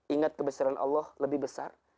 ingat kebesaran allah lebih besar